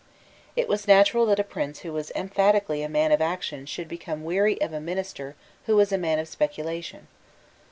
It was natural that a prince who was emphatically a man of action should become weary of a minister who was a man of speculation.